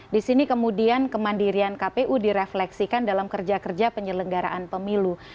di sini kemudian kemandirian kpu direfleksikan dalam kerja kerja penyelenggaraan pemilu